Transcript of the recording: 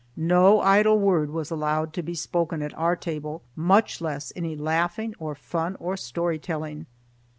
No idle word was allowed to be spoken at our table, much less any laughing or fun or story telling.